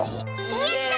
やった！